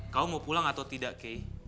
kamu mau pulang atau tidak kay